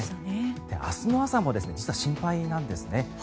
明日の朝も実は心配なんですね。